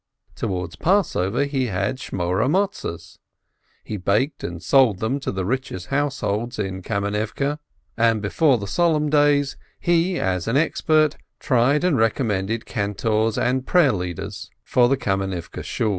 Toward Passover he had Shmooreh Matzes; he baked and sold them to the richest householders in Kamenivke, and before the Solemn Days he, as an expert, tried and recommended cantors and prayer leaders for the Kamenivke Shools.